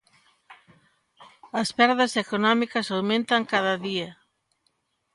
As perdas económicas aumentan cada día.